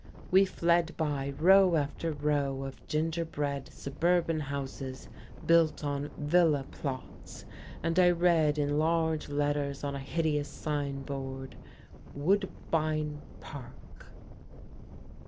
We flew by row after row of ginger bread, suburban houses built on "villa plots," and I read in large letters on a hideous sign board, "Woodbine Park."